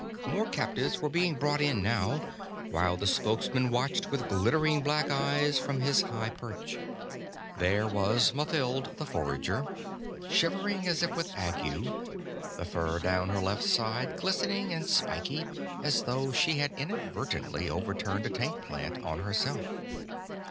More captives were being brought in now, while the Spokesman watched with glittering black eyes from his high perch. There was Mathild the Forager, shivering as if with ague, the fur down her left side glistening and spiky, as though she had inadvertently overturned a tank plant on herself.